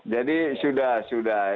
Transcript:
jadi sudah sudah